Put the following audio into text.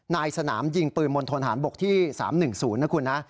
นายสนามยิงปืนมณฑนฐานบกที่๓๑๐นะคุณนะ